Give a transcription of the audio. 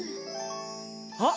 あっ！